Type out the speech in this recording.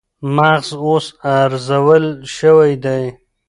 مغز اوس ارزول شوی دی